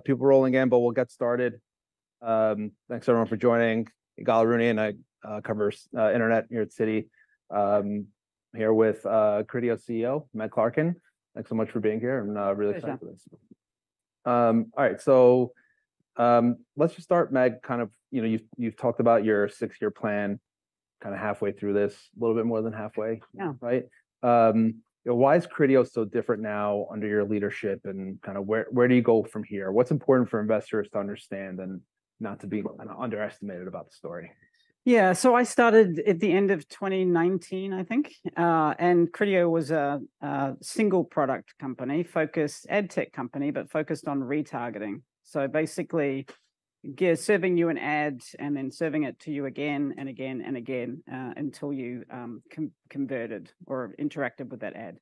People rolling in, but we'll get started. Thanks everyone for joining. Ygal Arounian, and I cover internet here at Citi. Here with Criteo CEO, Megan Clarken. Thanks so much for being here. I'm really excited for this. Pleasure. All right, so, let's just start, Meg, kind of... You know, you've talked about your six-year plan, kind of halfway through this, a little bit more than halfway- Yeah Right? Why is Criteo so different now under your leadership, and kind of where, where do you go from here? What's important for investors to understand, and not to be, kind of, underestimated about the story? Yeah, so I started at the end of 2019, I think. And Criteo was a single-product company, Adtech company, but focused on retargeting. So basically, serving you an ad and then serving it to you again and again and again, until you converted or interacted with that ad.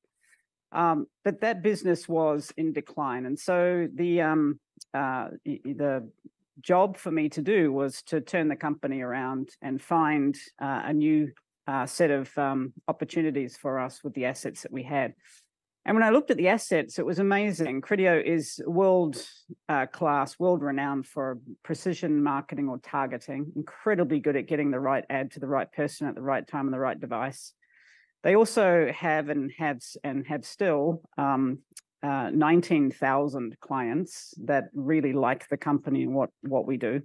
But that business was in decline, and so the job for me to do was to turn the company around and find a new set of opportunities for us with the assets that we had. And when I looked at the assets, it was amazing. Criteo is world class, world-renowned for precision marketing or targeting, incredibly good at getting the right ad to the right person at the right time and the right device. They also have still 19,000 clients that really like the company and what we do.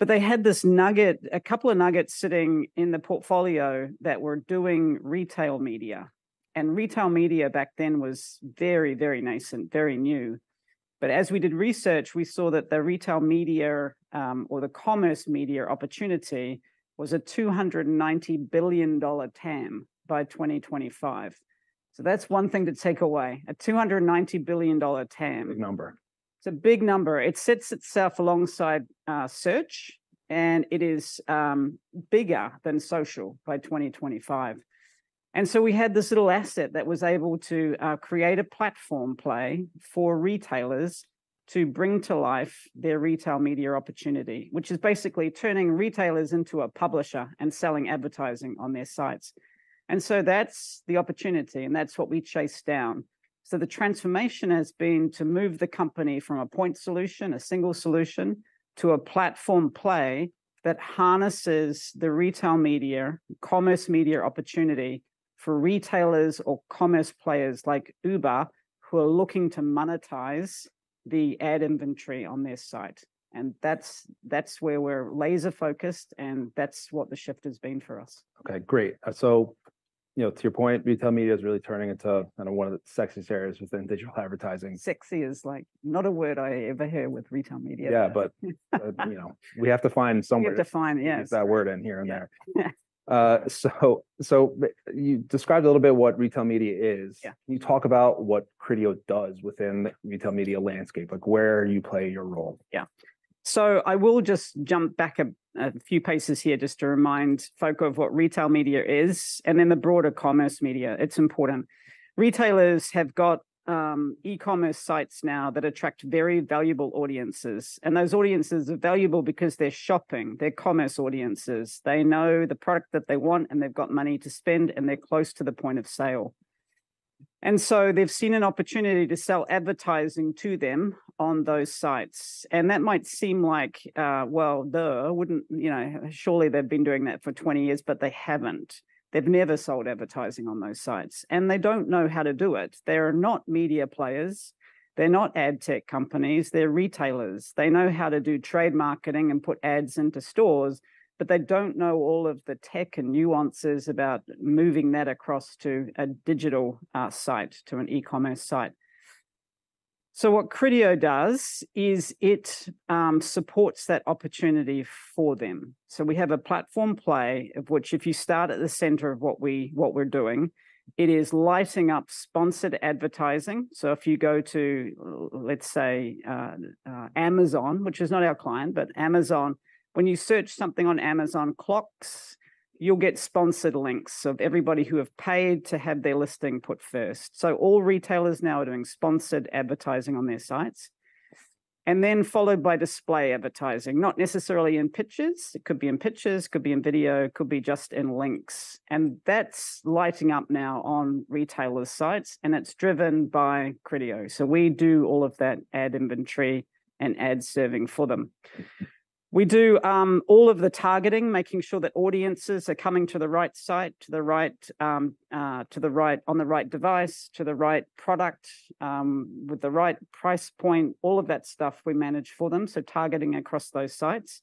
But they had this nugget, a couple of nuggets sitting in the portfolio that were doing retail media, and retail media back then was very, very nascent, very new. But as we did research, we saw that the retail media or the Commerce Media opportunity was a $290 billion TAM by 2025. So that's one thing to take away, a $290 billion TAM. Big number. It's a big number. It sits itself alongside search, and it is bigger than social by 2025. And so we had this little asset that was able to create a platform play for retailers to bring to life their retail media opportunity, which is basically turning retailers into a publisher and selling advertising on their sites. And so that's the opportunity, and that's what we chased down. So the transformation has been to move the company from a point solution, a single solution, to a platform play that harnesses the retail media, Commerce Media opportunity for retailers or commerce players like Uber, who are looking to monetize the ad inventory on their site. And that's, that's where we're laser-focused, and that's what the shift has been for us. Okay, great. So, you know, to your point, retail media is really turning into, kind of, one of the sexy areas within digital advertising. Sexy is, like, not a word I ever hear with retail media. Yeah, but, you know, we have to find somewhere- We have to find, yeah.... use that word in, here and there. Yeah. You described a little bit what retail media is. Yeah. Can you talk about what Criteo does within the retail media landscape? Like, where you play your role. Yeah. So I will just jump back a few paces here just to remind folk of what retail media is, and then the broader Commerce Media. It's important. Retailers have got e-commerce sites now that attract very valuable audiences, and those audiences are valuable because they're shopping. They're commerce audiences. They know the product that they want, and they've got money to spend, and they're close to the point of sale. And so they've seen an opportunity to sell advertising to them on those sites, and that might seem like, well, duh, wouldn't... You know, surely they've been doing that for 20 years, but they haven't. They've never sold advertising on those sites, and they don't know how to do it. They're not media players. They're not Adtech companies. They're retailers. They know how to do trade marketing and put ads into stores, but they don't know all of the tech and nuances about moving that across to a digital site, to an e-commerce site. So what Criteo does is it supports that opportunity for them. So we have a platform play, of which if you start at the center of what we're doing, it is lighting up sponsored advertising. So if you go to, let's say, Amazon, which is not our client, but Amazon, when you search something on Amazon clocks, you'll get sponsored links of everybody who have paid to have their listing put first. So all retailers now are doing sponsored advertising on their sites. Followed by display advertising, not necessarily in pictures, it could be in pictures, could be in video, could be just in links, and that's lighting up now on retailers' sites, and it's driven by Criteo. We do all of that ad inventory and ad serving for them. We do all of the targeting, making sure that audiences are coming to the right site, to the right, to the right, on the right device, to the right product, with the right price point. All of that stuff we manage for them, so targeting across those sites.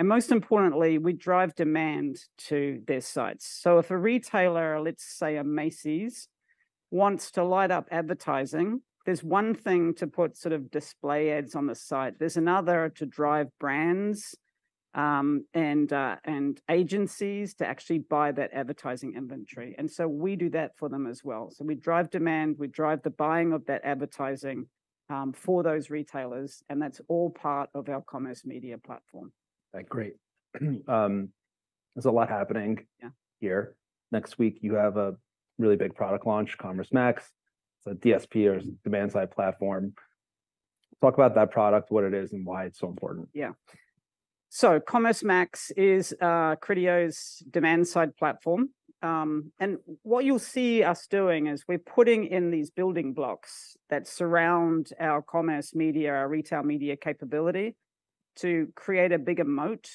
Most importantly, we drive demand to their sites. If a retailer, let's say a Macy's, wants to light up advertising, there's one thing to put sort of display ads on the site. There's another to drive brands, and agencies to actually buy that advertising inventory, and so we do that for them as well. So we drive demand, we drive the buying of that advertising, for those retailers, and that's all part of our Commerce Media Platform. Okay, great. There's a lot happening- Yeah... here. Next week, you have a really big product launch, Commerce Max. It's a DSP or demand-side platform. Talk about that product, what it is, and why it's so important. Yeah. So Commerce Max is Criteo's demand side platform. And what you'll see us doing is we're putting in these building blocks that surround our Commerce Media, our retail media capability, to create a bigger moat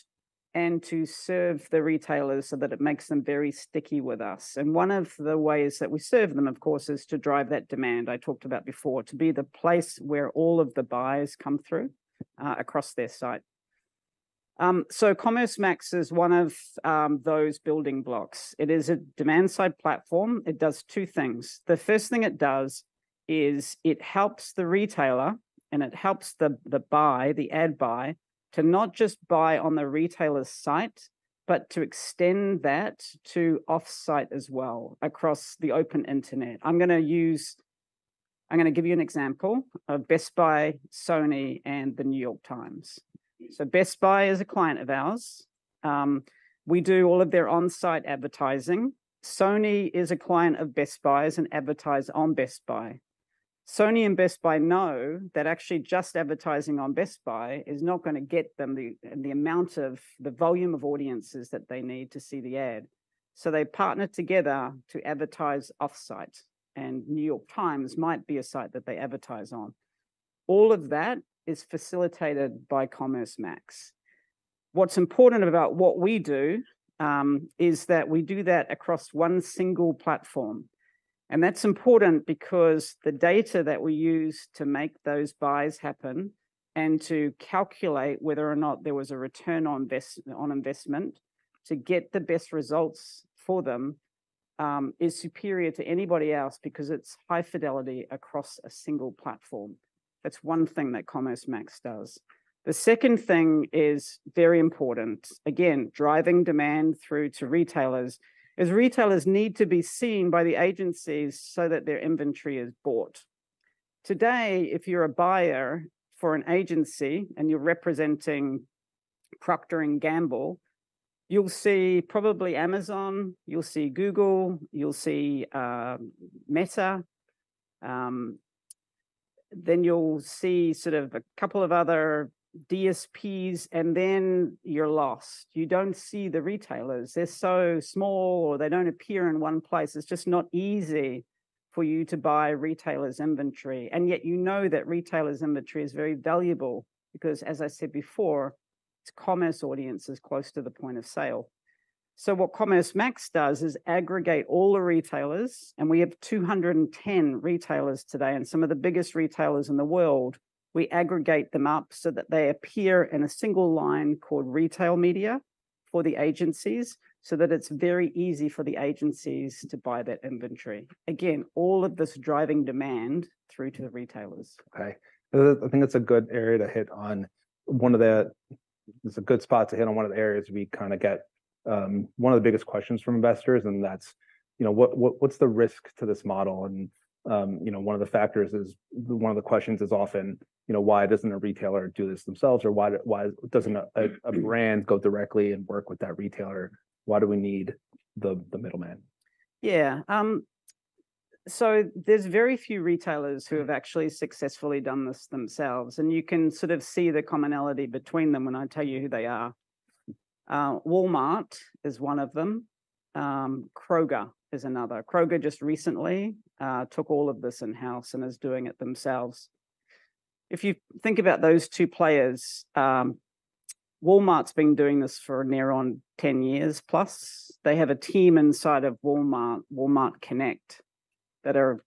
and to serve the retailers so that it makes them very sticky with us. And one of the ways that we serve them, of course, is to drive that demand I talked about before, to be the place where all of the buyers come through across their site. So Commerce Max is one of those building blocks. It is a demand side platform. It does two things. The first thing it does is it helps the retailer, and it helps the ad buy, to not just buy on the retailer's site, but to extend that to off-site as well, across the open internet. I'm gonna give you an example of Best Buy, Sony, and The New York Times. So Best Buy is a client of ours. We do all of their on-site advertising. Sony is a client of Best Buy's and advertise on Best Buy. Sony and Best Buy know that actually just advertising on Best Buy is not gonna get them the amount of the volume of audiences that they need to see the ad, so they partner together to advertise off-site, and New York Times might be a site that they advertise on. All of that is facilitated by Commerce Max. What's important about what we do is that we do that across one single platform, and that's important because the data that we use to make those buys happen, and to calculate whether or not there was a return on investment, to get the best results for them, is superior to anybody else because it's high fidelity across a single platform. That's one thing that Commerce Max does. The second thing is very important. Again, driving demand through to retailers, is retailers need to be seen by the agencies so that their inventory is bought. Today, if you're a buyer for an agency, and you're representing Procter & Gamble, you'll see probably Amazon, you'll see Google, you'll see Meta, then you'll see sort of a couple of other DSPs, and then you're lost. You don't see the retailers. They're so small, or they don't appear in one place. It's just not easy for you to buy retailers' inventory, and yet you know that retailers' inventory is very valuable because, as I said before, it's Commerce Audiences close to the point of sale. So what Commerce Max does is aggregate all the retailers, and we have 210 retailers today, and some of the biggest retailers in the world. We aggregate them up so that they appear in a single line called Retail Media for the agencies, so that it's very easy for the agencies to buy that inventory. Again, all of this driving demand through to the retailers. Okay. I think that's a good area to hit on. One of the... It's a good spot to hit on one of the areas we kinda get one of the biggest questions from investors, and that's, you know, what's the risk to this model? And, you know, one of the factors is one of the questions is often, you know, why doesn't a retailer do this themselves? Or why doesn't a brand go directly and work with that retailer? Why do we need the middleman? Yeah. So there's very few retailers who have actually successfully done this themselves, and you can sort of see the commonality between them when I tell you who they are. Walmart is one of them. Kroger is another. Kroger just recently took all of this in-house and is doing it themselves. If you think about those two players, Walmart's been doing this for near on 10 years plus. They have a team inside of Walmart, Walmart Connect, that are,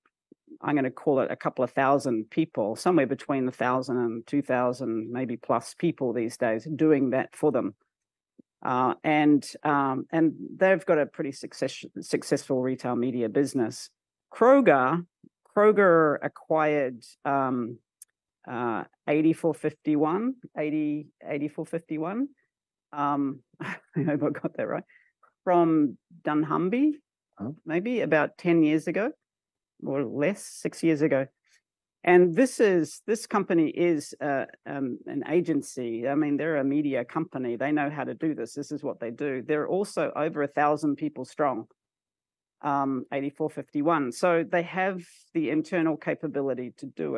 I'm gonna call it a couple of thousand people, somewhere between 1,000 and 2,000 maybe plus people these days, doing that for them. And they've got a pretty successful retail media business. Kroger acquired 84.51°, 84.51°, I hope I got that right, from Dunnhumby- Uh-... maybe about 10 years ago or less, 6 years ago. And this is, this company is a, an agency. I mean, they're a media company. They know how to do this. This is what they do. They're also over 1,000 people strong, 84.51°, so they have the internal capability to do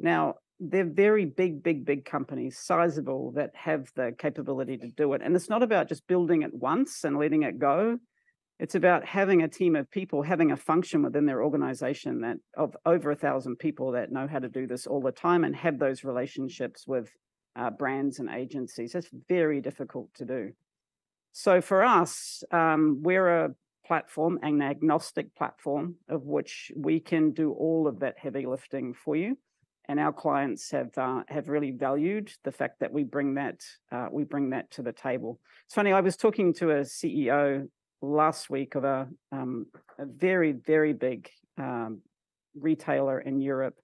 it. Now, they're very big, big, big companies, sizable, that have the capability to do it, and it's not about just building it once and letting it go. It's about having a team of people, having a function within their organization that of over 1,000 people that know how to do this all the time and have those relationships with, brands and agencies. That's very difficult to do. So for us, we're a platform, an agnostic platform, of which we can do all of that heavy lifting for you, and our clients have really valued the fact that we bring that to the table. It's funny, I was talking to a CEO last week of a very, very big retailer in Europe,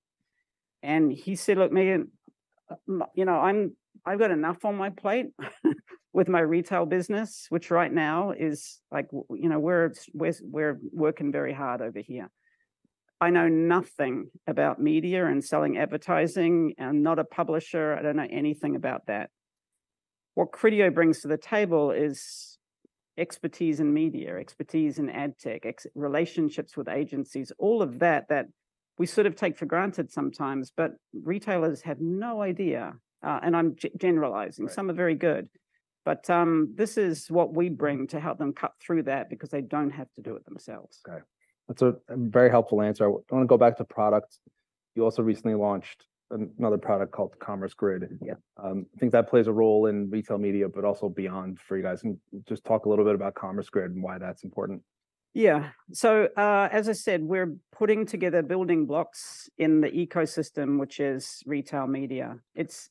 and he said, "Look, Megan, you know, I've got enough on my plate with my retail business, which right now is like, you know, we're working very hard over here. I know nothing about media and selling advertising. I'm not a publisher. I don't know anything about that." What Criteo brings to the table is... Expertise in media, expertise in Adtech, relationships with agencies, all of that, that we sort of take for granted sometimes, but retailers have no idea. And I'm generalizing. Right. Some are very good, but, this is what we bring to help them cut through that because they don't have to do it themselves. Okay. That's a very helpful answer. I wanna go back to product. You also recently launched another product called Commerce Grid. Yeah. I think that plays a role in retail media, but also beyond for you guys. And just talk a little bit about Commerce Grid and why that's important. Yeah. So, as I said, we're putting together building blocks in the ecosystem, which is retail media. It's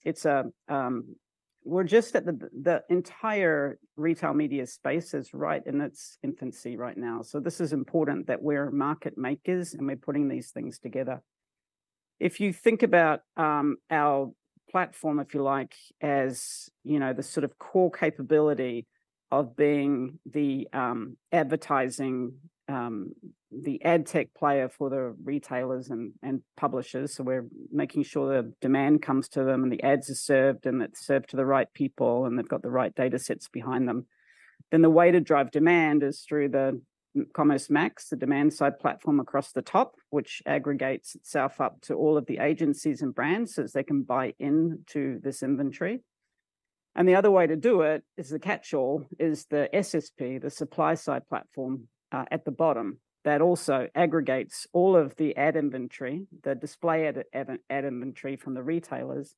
we're just at the... The entire retail media space is right in its infancy right now. So this is important that we're market makers, and we're putting these things together. If you think about our platform, if you like, as, you know, the sort of core capability of being the advertising the Adtech player for the retailers and publishers, so we're making sure the demand comes to them, and the ads are served, and it's served to the right people, and they've got the right datasets behind them. Then the way to drive demand is through the Commerce Max, the Demand-Side Platform across the top, which aggregates itself up to all of the agencies and brands, so as they can buy into this inventory. The other way to do it is the catchall, is the SSP, the Supply-Side Platform at the bottom, that also aggregates all of the ad inventory, the display ad inventory from the retailers,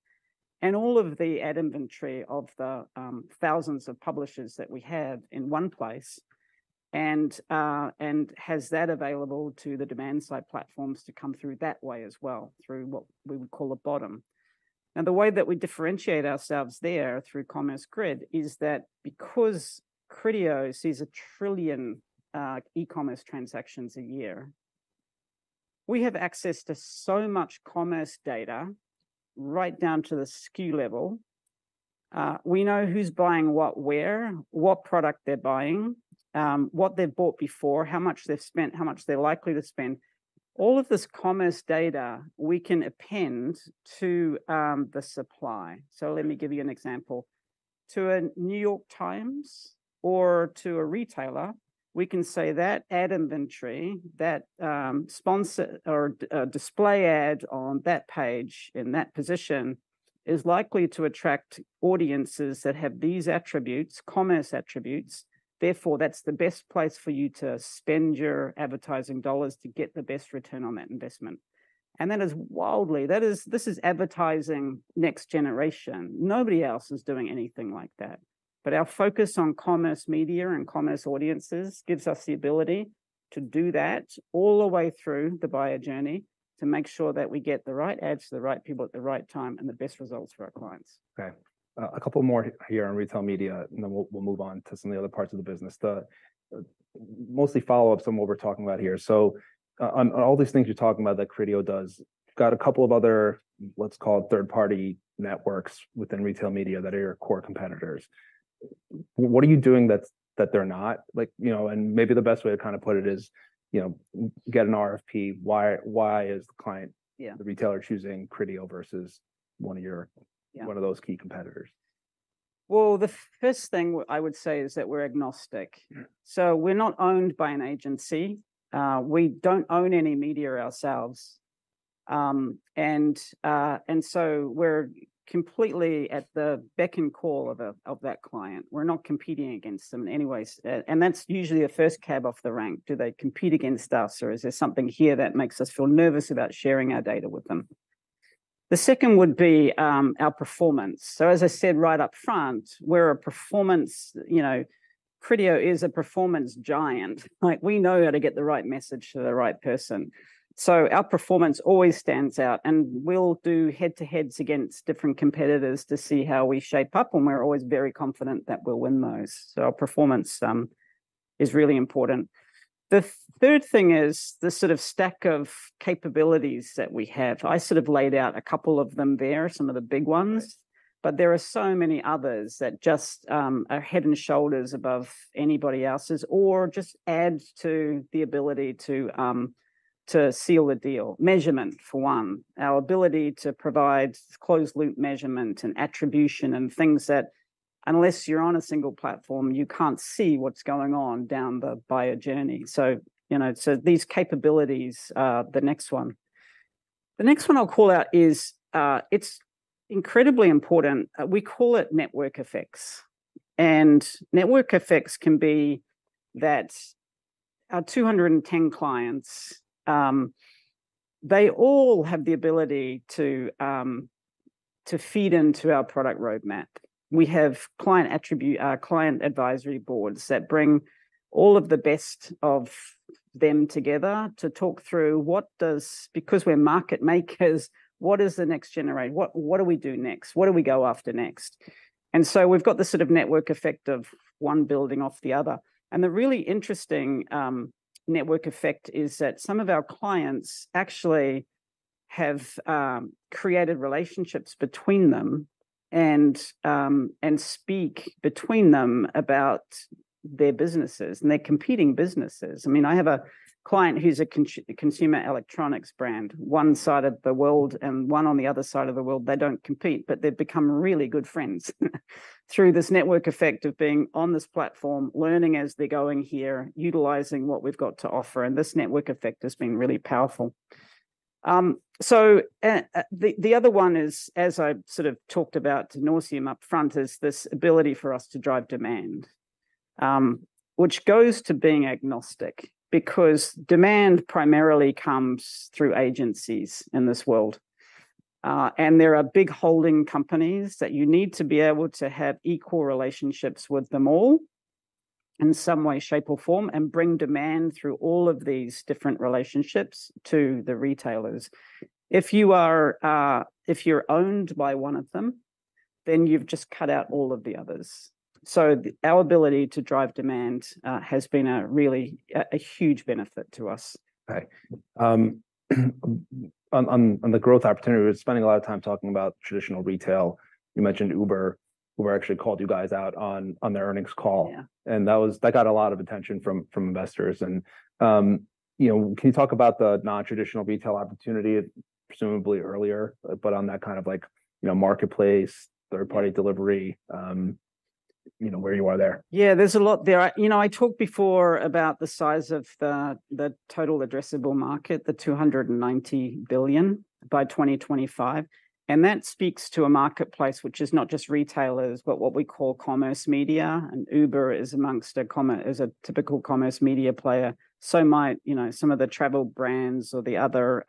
and all of the ad inventory of the thousands of publishers that we have in one place, and has that available to the Demand-Side Platforms to come through that way as well, through what we would call a bottom. And the way that we differentiate ourselves there through Commerce Grid is that because Criteo sees 1 trillion e-commerce transactions a year, we have access to so much commerce data, right down to the SKU level. We know who's buying what, where, what product they're buying, what they've bought before, how much they've spent, how much they're likely to spend. All of this commerce data we can append to the supply. So let me give you an example. To The New York Times or to a retailer, we can say that ad inventory, that sponsor or display ad on that page, in that position, is likely to attract audiences that have these attributes, commerce attributes. Therefore, that's the best place for you to spend your advertising dollars to get the best return on that investment. And that is wildly... This is advertising next generation. Nobody else is doing anything like that. But our focus on Commerce Media and Commerce Audiences gives us the ability to do that all the way through the buyer journey, to make sure that we get the right ads to the right people at the right time, and the best results for our clients. Okay. A couple more here on retail media, and then we'll move on to some of the other parts of the business. The mostly follow-ups on what we're talking about here. So on all these things you're talking about that Criteo does, got a couple of other, let's call it third-party networks within retail media that are your core competitors. What are you doing that they're not? Like, you know, and maybe the best way to kind of put it is, you know, get an RFP. Why is the client- Yeah... the retailer choosing Criteo versus one of your- Yeah one of those key competitors? Well, the first thing I would say is that we're agnostic. So we're not owned by an agency. We don't own any media ourselves. So we're completely at the beck and call of that client. We're not competing against them in any way. That's usually a first cab off the rank. Do they compete against us, or is there something here that makes us feel nervous about sharing our data with them? The second would be, our performance. So as I said, right up front, we're a performance, you know, Criteo is a performance giant. Like, we know how to get the right message to the right person. So our performance always stands out, and we'll do head-to-heads against different competitors to see how we shape up, and we're always very confident that we'll win those. So our performance is really important. The third thing is the sort of stack of capabilities that we have. I sort of laid out a couple of them there, some of the big ones. Right. But there are so many others that just are head and shoulders above anybody else's, or just adds to the ability to seal the deal. Measurement, for one. Our ability to provide closed-loop measurement and attribution and things that, unless you're on a single platform, you can't see what's going on down the buyer journey. So, you know, so these capabilities are the next one. The next one I'll call out is, it's incredibly important. We call it network effects, and network effects can be that our 210 clients, they all have the ability to feed into our product roadmap. We have client advisory boards that bring all of the best of them together to talk through what does... Because we're market makers, what is the next generation? What, what do we do next? What do we go after next? And so we've got the sort of network effect of one building off the other. And the really interesting network effect is that some of our clients actually have created relationships between them and speak between them about their businesses, and they're competing businesses. I mean, I have a client who's a consumer electronics brand, one side of the world and one on the other side of the world. They don't compete, but they've become really good friends through this network effect of being on this platform, learning as they're going here, utilizing what we've got to offer, and this network effect has been really powerful. So, the other one is, as I sort of talked about ad nauseam up front, is this ability for us to drive demand. Which goes to being agnostic, because demand primarily comes through agencies in this world. There are big holding companies that you need to be able to have equal relationships with them all in some way, shape, or form, and bring demand through all of these different relationships to the retailers. If you're owned by one of them, then you've just cut out all of the others. Our ability to drive demand has been a really huge benefit to us. Right. On the growth opportunity, we're spending a lot of time talking about traditional retail. You mentioned Uber, Uber actually called you guys out on their earnings call. Yeah. That got a lot of attention from investors. You know, can you talk about the non-traditional retail opportunity, presumably earlier, but on that kind of like, you know, marketplace, third-party delivery, you know, where you are there? Yeah, there's a lot there. You know, I talked before about the size of the total addressable market, the $290 billion by 2025, and that speaks to a marketplace which is not just retailers, but what we call Commerce Media, and Uber is a typical Commerce Media player. So might, you know, some of the travel brands or the other,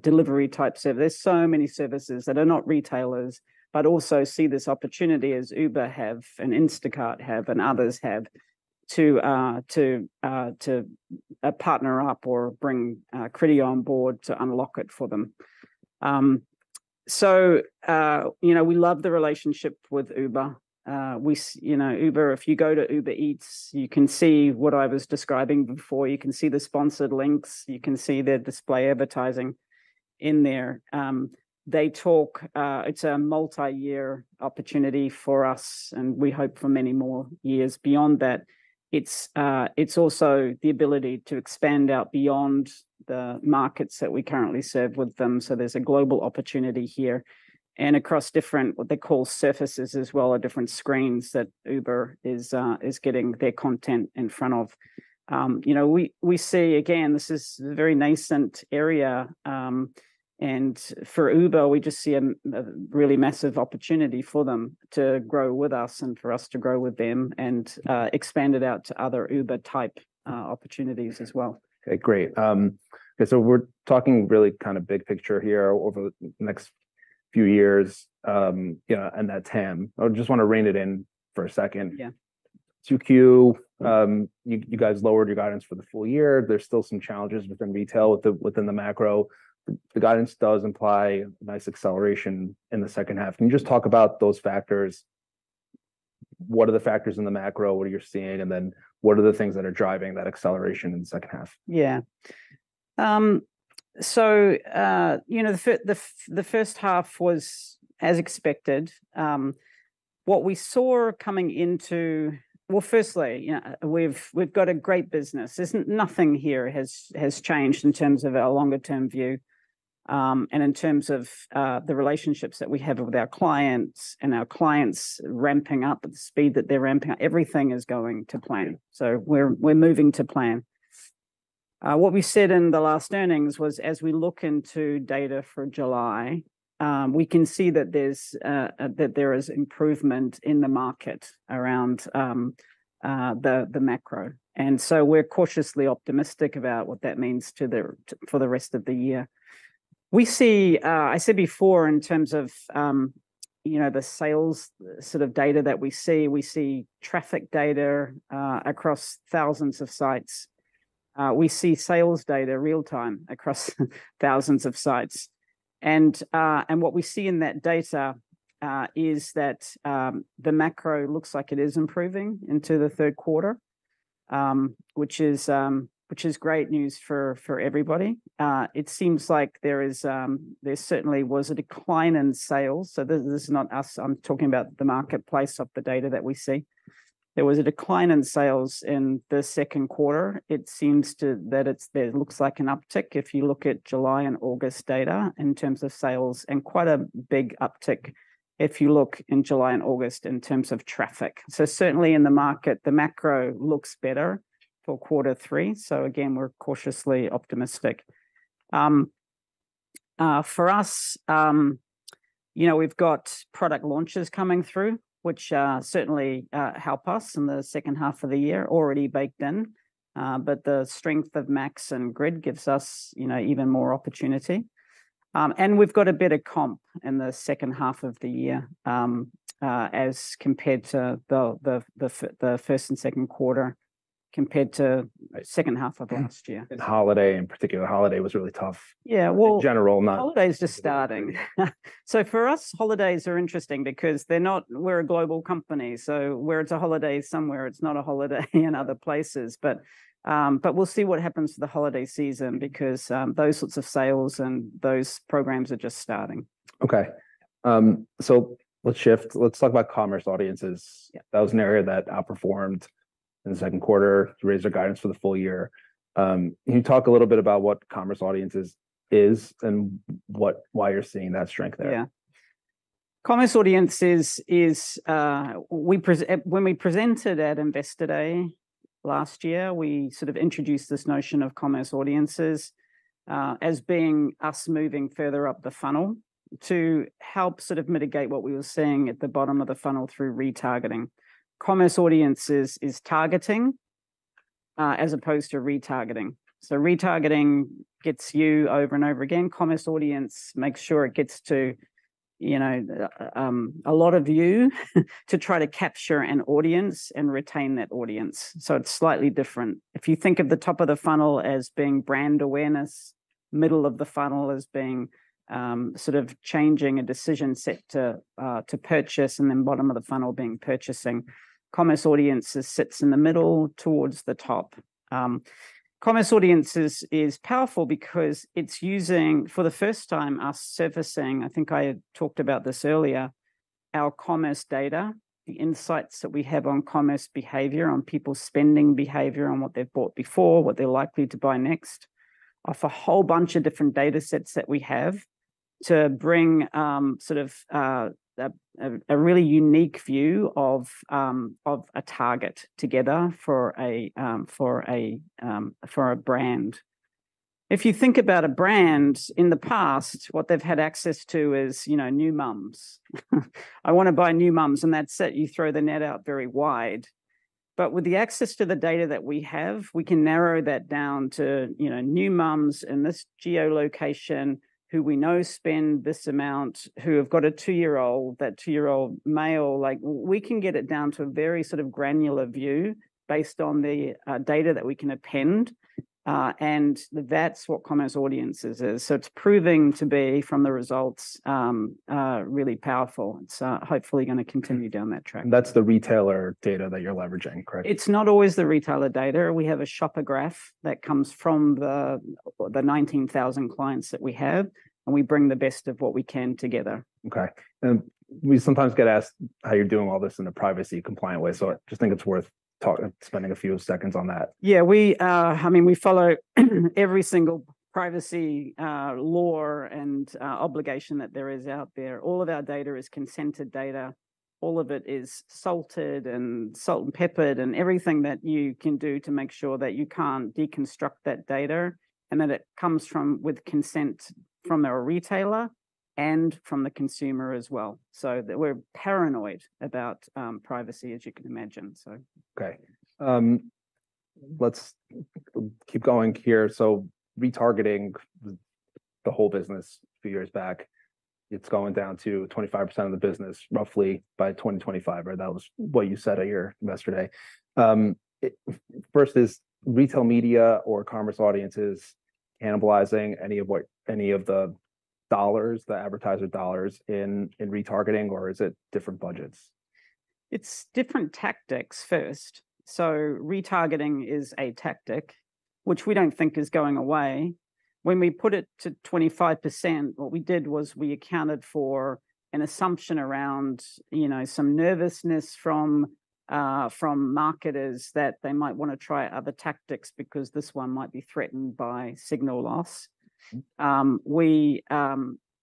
delivery-type service. There's so many services that are not retailers, but also see this opportunity, as Uber have and Instacart have and others have, to partner up or bring Criteo on board to unlock it for them. So, you know, we love the relationship with Uber. We, you know, Uber, if you go to Uber Eats, you can see what I was describing before. You can see the sponsored links, you can see their display advertising in there. It's a multi-year opportunity for us, and we hope for many more years beyond that. It's also the ability to expand out beyond the markets that we currently serve with them, so there's a global opportunity here. And across different, what they call surfaces as well, or different screens that Uber is getting their content in front of. You know, we see, again, this is a very nascent area, and for Uber, we just see a really massive opportunity for them to grow with us and for us to grow with them, and expand it out to other Uber-type opportunities as well. Okay, great. Okay, so we're talking really kind of big picture here over the next few years, you know, and that's him. I just want to rein it in for a second. Yeah. 2Q, you guys lowered your guidance for the full year. There's still some challenges within retail, within the macro. The guidance does imply nice acceleration in the second half. Can you just talk about those factors? What are the factors in the macro, what are you seeing, and then what are the things that are driving that acceleration in the second half? Yeah. So, you know, the first half was as expected. What we saw coming into... Well, firstly, you know, we've got a great business. There's nothing here has changed in terms of our longer term view, and in terms of the relationships that we have with our clients and our clients ramping up, the speed that they're ramping up. Everything is going to plan- Yeah We're moving to plan. What we said in the last earnings was, as we look into data for July, we can see that there is improvement in the market around the macro. And so we're cautiously optimistic about what that means for the rest of the year. We see, I said before, in terms of, you know, the sales sort of data that we see, we see traffic data across thousands of sites. We see sales data real-time across thousands of sites. And what we see in that data is that the macro looks like it is improving into the third quarter, which is great news for everybody. It seems like there is, there certainly was a decline in sales, so this, this is not us, I'm talking about the marketplace of the data that we see. There was a decline in sales in the second quarter. There looks like an uptick if you look at July and August data in terms of sales, and quite a big uptick if you look in July and August in terms of traffic. So certainly in the market, the macro looks better for quarter three. So again, we're cautiously optimistic. For us, you know, we've got product launches coming through, which certainly help us in the second half of the year, already baked in. But the strength of Max and Grid gives us, you know, even more opportunity. And we've got a better comp in the second half of the year, as compared to the first and second quarter, compared to second half of last year. Holiday, in particular, holiday was really tough. Yeah, well- In general, not- Holiday is just starting. So for us, holidays are interesting because they're not. We're a global company, so where it's a holiday somewhere, it's not a holiday in other places. But, but we'll see what happens to the holiday season because those sorts of sales and those programs are just starting. Okay, let's shift. Let's talk about Commerce Audiences. Yeah. That was an area that outperformed in the second quarter, raised their guidance for the full year. Can you talk a little bit about what Commerce Audiences is, and why you're seeing that strength there? Yeah. Commerce Audiences is, when we presented at Investor Day last year, we sort of introduced this notion of Commerce Audiences, as being us moving further up the funnel to help sort of mitigate what we were seeing at the bottom of the funnel through retargeting. Commerce Audiences is targeting, as opposed to retargeting. So retargeting gets you over and over again. Commerce Audiences makes sure it gets to, you know, a lot of you to try to capture an audience and retain that audience. So it's slightly different. If you think of the top of the funnel as being brand awareness, middle of the funnel as being, sort of changing a decision set to, to purchase, and then bottom of the funnel being purchasing, Commerce Audiences sits in the middle towards the top. Commerce Audiences is powerful because it's using, for the first time, us surfacing, I think I had talked about this earlier, our commerce data, the insights that we have on commerce behavior, on people's spending behavior, on what they've bought before, what they're likely to buy next, off a whole bunch of different datasets that we have, to bring sort of a really unique view of a target together for a brand. If you think about a brand in the past, what they've had access to is, you know, New Moms. I want to buy New Moms, and that's it. You throw the net out very wide. But with the access to the data that we have, we can narrow that down to, you know, New Moms in this geolocation, who we know spend this amount, who have got a two-year-old, that two-year-old, male. Like, we can get it down to a very sort of granular view based on the data that we can append, and that's what Commerce Audiences is. So it's proving to be, from the results, really powerful, and so hopefully gonna continue down that track. That's the retailer data that you're leveraging, correct? It's not always the retailer data. We have a shopper graph that comes from the 19,000 clients that we have, and we bring the best of what we can together. Okay. We sometimes get asked how you're doing all this in a privacy-compliant way, so I just think it's worth talking, spending a few seconds on that. Yeah, we... I mean, we follow every single privacy law and obligation that there is out there. All of our data is consented data. All of it is salted, and salt and peppered, and everything that you can do to make sure that you can't deconstruct that data, and that it comes from with consent from our retailer and from the consumer as well. So we're paranoid about privacy, as you can imagine, so. Okay. Let's keep going here. So retargeting the whole business a few years back, it's going down to 25% of the business, roughly by 2025, or that was what you said at your Investor Day. First is, retail media or Commerce Audiences cannibalizing any of what, any of the dollars, the advertiser dollars in, in retargeting, or is it different budgets? It's different tactics first. So retargeting is a tactic which we don't think is going away. When we put it to 25%, what we did was we accounted for an assumption around, you know, some nervousness from marketers that they might want to try other tactics because this one might be threatened by signal loss. We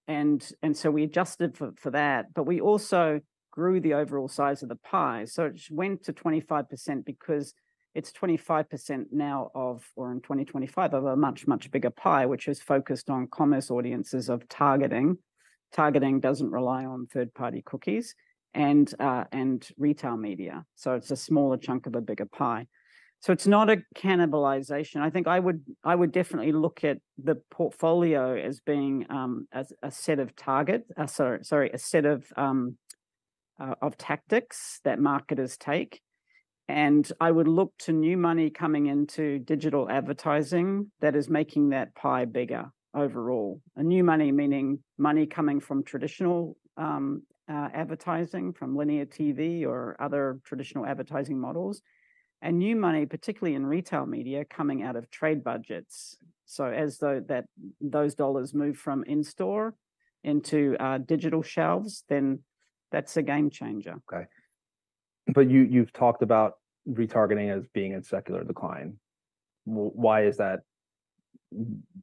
and so we adjusted for that, but we also grew the overall size of the pie. So it just went to 25% because it's 25% now of, or in 2025, of a much, much bigger pie, which is focused on commerce audiences of targeting. Targeting doesn't rely on third-party cookies and retail media, so it's a smaller chunk of a bigger pie. So it's not a cannibalization. I think I would, I would definitely look at the portfolio as being a set of tactics that marketers take, and I would look to new money coming into digital advertising that is making that pie bigger overall. And new money meaning money coming from traditional advertising, from linear TV or other traditional advertising models, and new money, particularly in retail media, coming out of trade budgets. So as those dollars move from in-store into digital shelves, then that's a game changer. Okay. But you, you've talked about retargeting as being in secular decline. Why is that?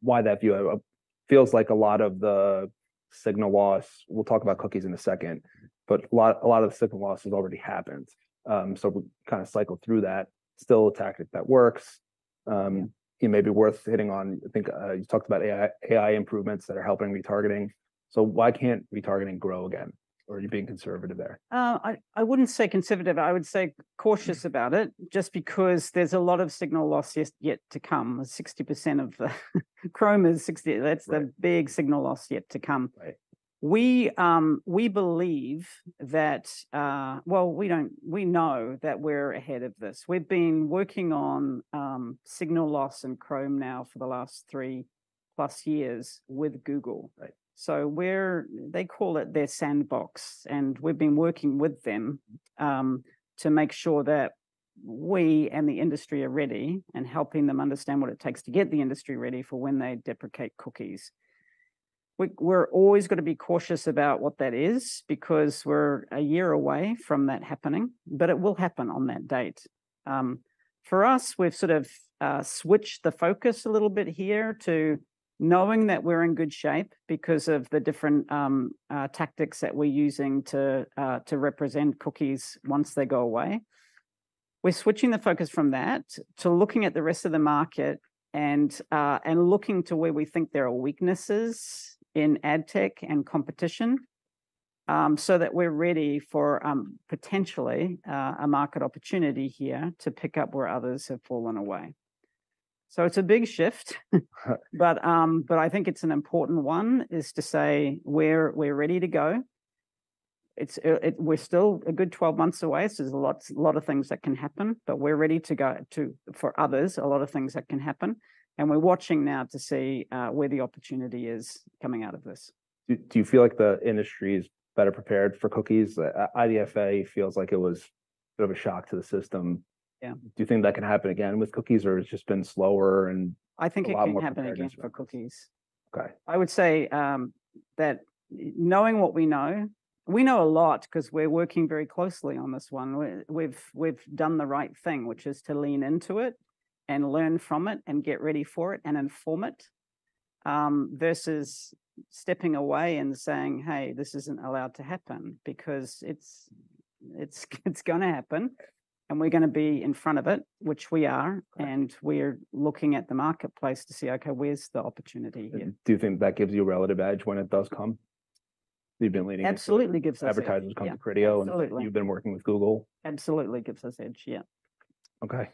Why that view? Feels like a lot of the signal loss, we'll talk about cookies in a second, but a lot, a lot of the signal loss has already happened. So we've kind of cycled through that. Still a tactic that works. It may be worth hitting on, I think, you talked about AI, AI improvements that are helping retargeting. So why can't retargeting grow again, or are you being conservative there? I wouldn't say conservative, I would say cautious about it, just because there's a lot of signal loss yet to come. 60% of the Chrome is 60- that's the big signal loss yet to come. Right. ... we believe that, well, we know that we're ahead of this. We've been working on signal loss in Chrome now for the last 3+ years with Google. Right. So they call it their sandbox, and we've been working with them to make sure that we and the industry are ready, and helping them understand what it takes to get the industry ready for when they deprecate cookies. We're always gonna be cautious about what that is, because we're a year away from that happening, but it will happen on that date. For us, we've sort of switched the focus a little bit here to knowing that we're in good shape because of the different tactics that we're using to represent cookies once they go away. We're switching the focus from that to looking at the rest of the market and and looking to where we think there are weaknesses in Adtech and competition, so that we're ready for potentially a market opportunity here to pick up where others have fallen away. So it's a big shift, but but I think it's an important one, is to say we're ready to go. It's it we're still a good 12 months away, so there's a lots, a lot of things that can happen, but we're ready to go, to for others, a lot of things that can happen, and we're watching now to see where the opportunity is coming out of this. Do you feel like the industry is better prepared for cookies? IDFA feels like it was a bit of a shock to the system. Yeah. Do you think that can happen again with cookies, or it's just been slower and- I think it can happen again. A lot more prepared this time.... for cookies. Okay. I would say that knowing what we know, we know a lot, 'cause we're working very closely on this one. We've done the right thing, which is to lean into it and learn from it, and get ready for it, and inform it, versus stepping away and saying, "Hey, this isn't allowed to happen," because it's gonna happen, and we're gonna be in front of it, which we are- Right... and we're looking at the marketplace to see, okay, where's the opportunity here? Do you think that gives you a relative edge when it does come? You've been leading- Absolutely gives us edge. Advertisers come to Criteo. Yeah, absolutely... and you've been working with Google. Absolutely gives us edge, yeah. Okay.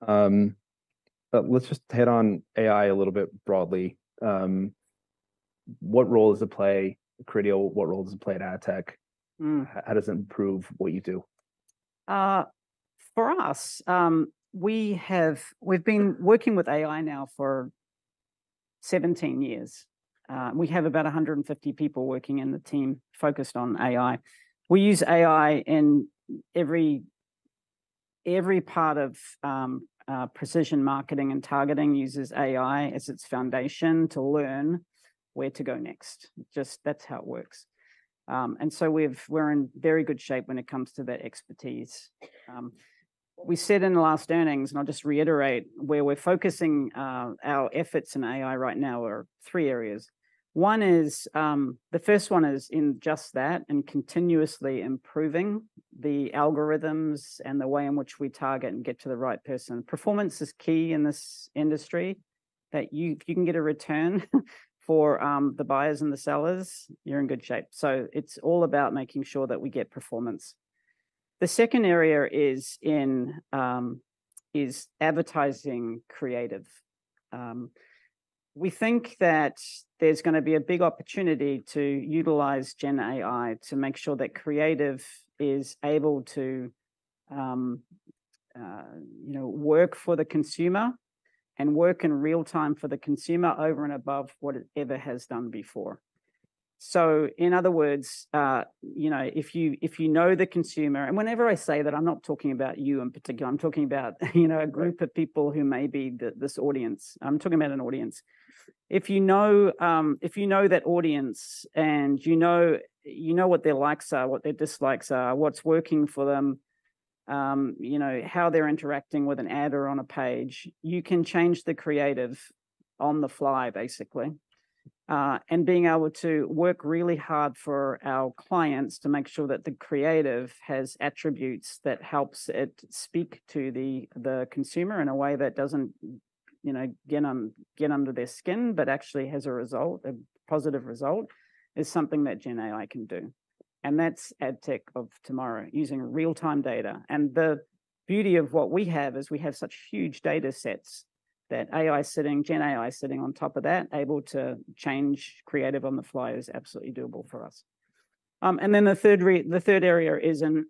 But let's just hit on AI a little bit broadly. What role does it play at Criteo? What role does it play in Adtech? How does it improve what you do? For us, we've been working with AI now for 17 years. We have about 150 people working in the team focused on AI. We use AI in every part of precision marketing and targeting uses AI as its foundation to learn where to go next. Just that's how it works. And so we're in very good shape when it comes to that expertise. What we said in the last earnings, and I'll just reiterate, where we're focusing our efforts in AI right now are three areas. One is, the first one is in just that and continuously improving the algorithms and the way in which we target and get to the right person. Performance is key in this industry, that if you can get a return for the buyers and the sellers, you're in good shape. So it's all about making sure that we get performance. The second area is in advertising creative. We think that there's gonna be a big opportunity to utilize Gen AI to make sure that creative is able to, you know, work for the consumer, and work in real time for the consumer over and above what it ever has done before. So in other words, you know, if you, if you know the consumer... And whenever I say that, I'm not talking about you in particular. I'm talking about, you know- Right... a group of people who may be the, this audience. I'm talking about an audience. If you know, if you know that audience and you know, you know what their likes are, what their dislikes are, what's working for them, you know, how they're interacting with an ad or on a page, you can change the creative on the fly, basically. And being able to work really hard for our clients to make sure that the creative has attributes that helps it speak to the, the consumer in a way that doesn't, you know, get under their skin, but actually has a result, a positive result, is something that Gen AI can do. And that's Adtech of tomorrow, using real-time data. The beauty of what we have is we have such huge data sets that AI sitting, Gen AI sitting on top of that, able to change creative on the fly, is absolutely doable for us. And then the third area is in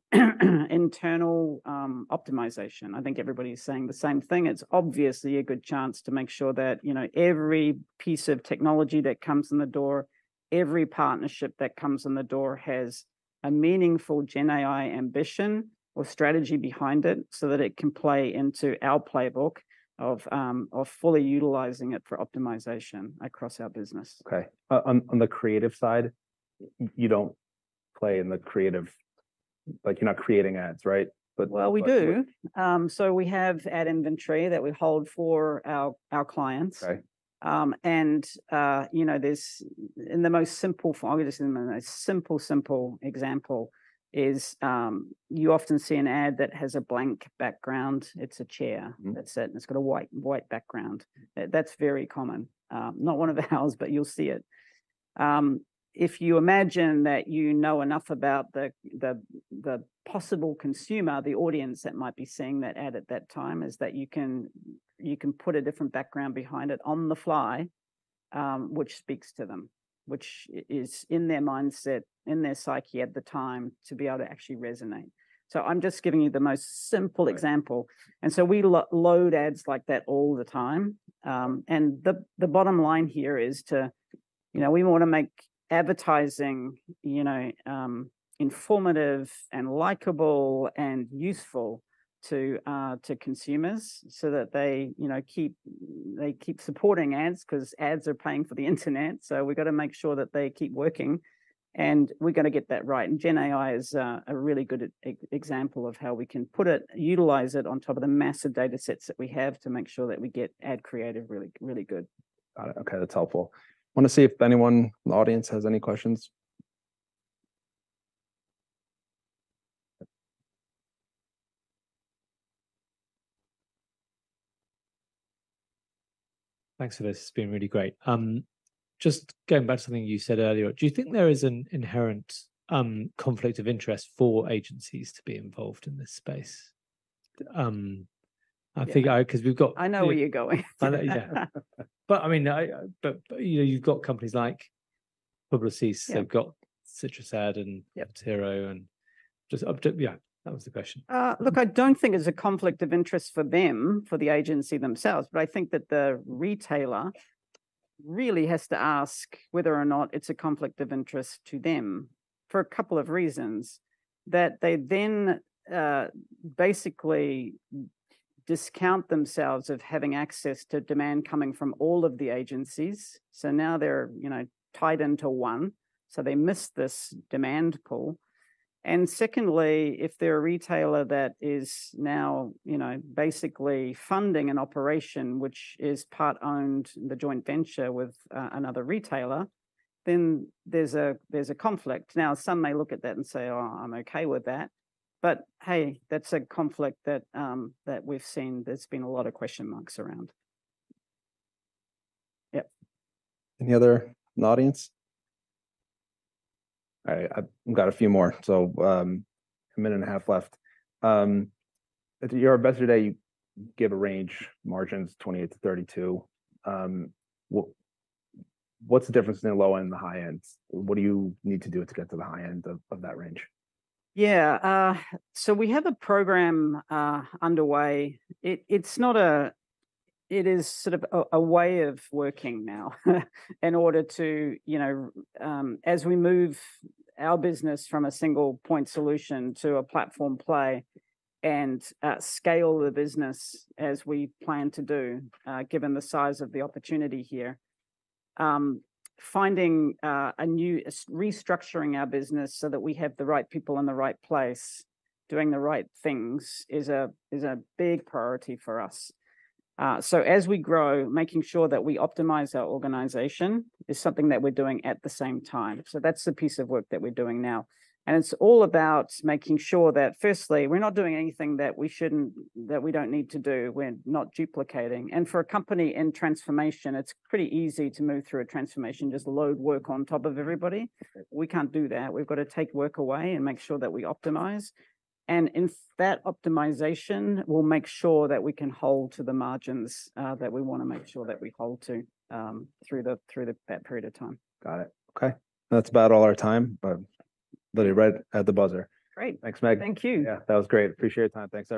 internal optimization. I think everybody is saying the same thing. It's obviously a good chance to make sure that, you know, every piece of technology that comes in the door, every partnership that comes in the door, has a meaningful Gen AI ambition or strategy behind it, so that it can play into our playbook of fully utilizing it for optimization across our business. Okay. On the creative side, you don't play in the creative... Like, you're not creating ads, right? But like- Well, we do. So we have ad inventory that we hold for our, our clients. Right. You know, in the most simple form, I'll give you this in the most simple, simple example: you often see an ad that has a blank background. It's a chair that's it, and it's got a white, white background. That's very common. Not one of ours, but you'll see it. If you imagine that you know enough about the possible consumer, the audience that might be seeing that ad at that time, is that you can, you can put a different background behind it on the fly... which speaks to them, which is in their mindset, in their psyche at the time, to be able to actually resonate. So I'm just giving you the most simple example. Right. And so we load ads like that all the time. And the bottom line here is, you know, we wanna make advertising, you know, informative and likable and useful to consumers so that they, you know, keep supporting ads, 'cause ads are paying for the internet, so we've gotta make sure that they keep working, and we're gonna get that right. And Gen AI is a really good example of how we can utilize it on top of the massive data sets that we have to make sure that we get ad creative really, really good. Got it. Okay, that's helpful. Wanna see if anyone in the audience has any questions? Thanks for this. It's been really great. Just going back to something you said earlier, do you think there is an inherent conflict of interest for agencies to be involved in this space? I think- Yeah... 'cause we've got- I know where you're going. I know, yeah. But, I mean, you know, you've got companies like Publicis- Yeah... they've got CitrusAd and- Yeah... Profitero, and just up to... Yeah, that was the question. Look, I don't think it's a conflict of interest for them, for the agency themselves, but I think that the retailer really has to ask whether or not it's a conflict of interest to them, for a couple of reasons. That they then, basically discount themselves of having access to demand coming from all of the agencies, so now they're, you know, tied into one, so they miss this demand pool. And secondly, if they're a retailer that is now, you know, basically funding an operation which is part-owned in the joint venture with, another retailer, then there's a, there's a conflict. Now, some may look at that and say, "Oh, I'm okay with that," but, hey, that's a conflict that, that we've seen, there's been a lot of question marks around. Yep. Any other in the audience? All right, I've got a few more, so, 1.5 minutes left. At your investor day, you gave a range, margins 28%-32%. What, what's the difference between the low end and the high end? What do you need to do to get to the high end of, of that range? Yeah. So we have a program underway. It is sort of a way of working now, in order to, you know. As we move our business from a single-point solution to a platform play and scale the business as we plan to do, given the size of the opportunity here, finding a new restructuring our business so that we have the right people in the right place, doing the right things, is a big priority for us. So as we grow, making sure that we optimize our organization is something that we're doing at the same time. So that's the piece of work that we're doing now. And it's all about making sure that, firstly, we're not doing anything that we shouldn't, that we don't need to do, we're not duplicating. For a company in transformation, it's pretty easy to move through a transformation, just load work on top of everybody. Sure. We can't do that. We've got to take work away and make sure that we optimize. And in that optimization, we'll make sure that we can hold to the margins that we wanna make sure that we hold to through that period of time. Got it. Okay. That's about all our time, but literally right at the buzzer. Great. Thanks, Meg. Thank you. Yeah, that was great. Appreciate your time. Thanks, everyone.